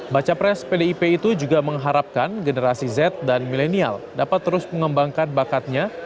baca pres pdip itu juga mengharapkan generasi z dan milenial dapat terus mengembangkan bakatnya